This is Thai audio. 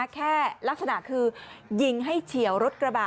แค่ลักษณะคือยิงให้เฉียวรถกระบะ